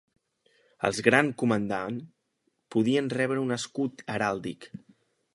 Els Gran Comandant podien rebre un escut heràldic.